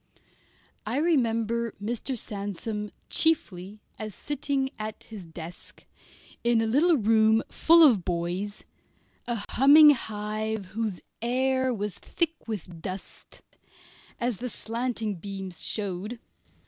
I remember Mr. Sandsome chiefly as sitting at his desk, in a little room full of boys, a humming hive whose air was thick with dust, as the slanting sunbeams showed.